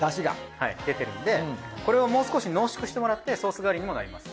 はい出てるんでこれをもう少し濃縮してもらってソース代わりにもなります。